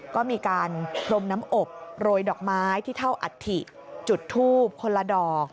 ก็มีการพรมน้ำอบโรยดอกไม้ที่เท่าอัฐิจุดทูบคนละดอก